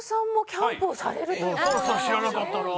知らなかったな。